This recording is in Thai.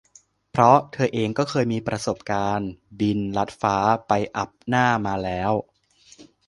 เพราะเธอเองก็เคยมีประสบการณ์บินลัดฟ้าไปอัปหน้ามาแล้ว